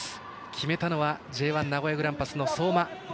決めたのはＪ１名古屋グランパスの相馬。